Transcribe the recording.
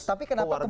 tapi kenapa kemudian